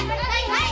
はい！